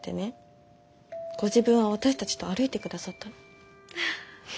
ご自分は私たちと歩いてくださったの。